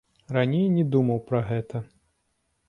Раней не думаў пра гэта.